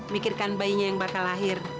mikirkan bayinya yang bakal lahir